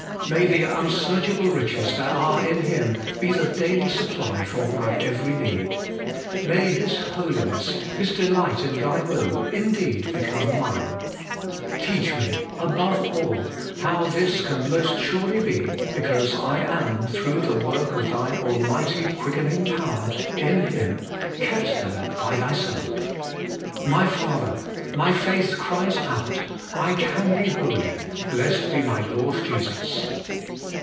May the unsearchable riches there are in Him be the daily supply for my every need. May His Holiness, His delight in Thy will, indeed become mine. Teach me, above all, how this can most surely be, because I am, through the work of Thine Almighty Quickening Power, in Him, kept there by Thyself. My Father ! my faith cries out : I can be holy, blessed be my Lord Jesus